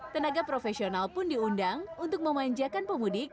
tenaga profesional pun diundang untuk memanjakan pemudik